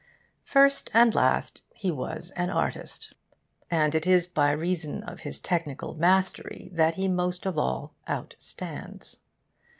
First and last, he was an artist, and it is by reason of his technical mastery that he most of all outstands.